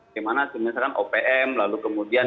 gimana misalkan opm lalu kemudian